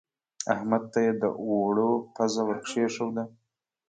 احمد ته يې د اوړو پزه ور کېښوده.